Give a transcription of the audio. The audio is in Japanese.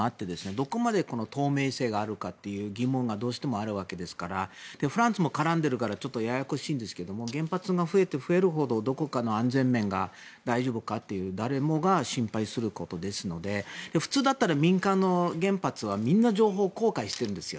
どこまで透明性があるかという疑問がどうしてもあるわけでフランスも絡んでいるからちょっとややこしいんですが原発が増えるほどどこかの安全面が大丈夫かと誰もが心配することですので普通だったら民間の原発はみんな情報公開しているんですよ。